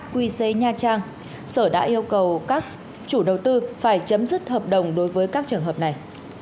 qc nha trang sở đã yêu cầu các chủ đầu tư phải chấm dứt hợp đồng đối với các trường hợp này